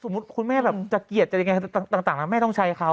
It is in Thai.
สมมุติคุณแม่จะเกลียดจะยังไงต่างแม่ต้องใช้เขา